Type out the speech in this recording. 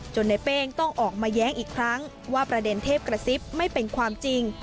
ในเป้งต้องออกมาแย้งอีกครั้งว่าประเด็นเทพกระซิบไม่เป็นความจริง